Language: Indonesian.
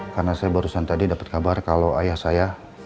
karena saya barusan tadi dapet kabar kalau ayah saya